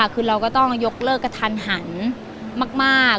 คือเราก็ต้องยกเลิกกระทันหันมาก